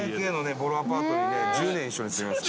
ボロアパートにね１０年一緒に住みました。